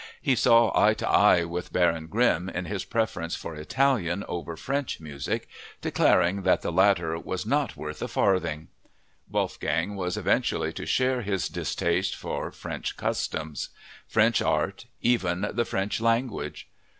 He saw eye to eye with Baron Grimm in his preference for Italian over French music, declaring that the latter was "not worth a farthing." Wolfgang was eventually to share his distaste for French customs, French art, even the French language.